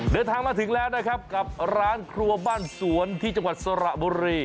เดินทางมาถึงแล้วนะครับกับร้านครัวบ้านสวนที่จังหวัดสระบุรี